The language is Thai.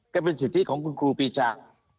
ก็เป็นสิทธิของคุณครูปีชา